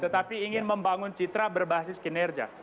tetapi ingin membangun citra berbasis kinerja